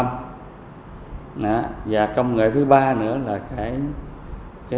công nghệ cứ ba nữa inde trụ rỗng mà vừa qua chúng ta thí điểm ở đoạn chỗ kinh mới